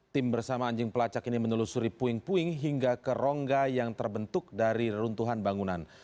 tim bersama anjing pelacak ini menelusuri puing puing hingga ke rongga yang terbentuk dari reruntuhan bangunan